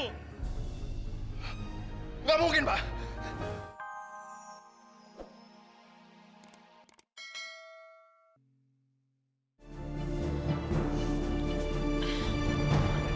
nggak mungkin pak